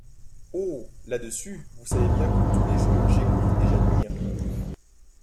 Oh ! là-dessus, vous savez bien que tous les jours j’écoute et j’admire…